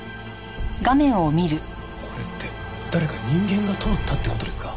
これって誰か人間が通ったって事ですか？